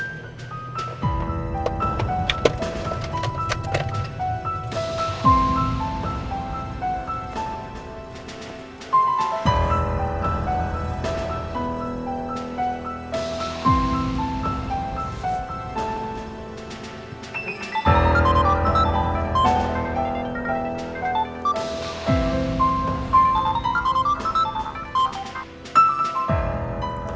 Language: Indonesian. terima kasih mas